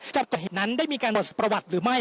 จับตรวจหน้านั้นได้มีการรดประวัติหรือไม่